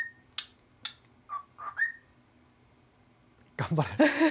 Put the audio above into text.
頑張れ！